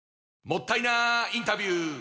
もったいなインタビュー！